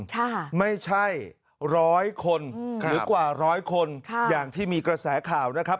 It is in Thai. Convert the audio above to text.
ค่ะไม่ใช่ร้อยคนอืมหรือกว่าร้อยคนค่ะอย่างที่มีกระแสข่าวนะครับ